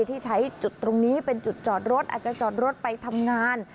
ที่ใช้จุดตรงนี้เป็นจุดจอดรถอาจจะจอดรถไปทำงาน